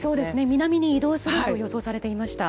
南に移動すると予想されていました。